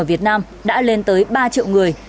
ở việt nam đã lên tới ba triệu người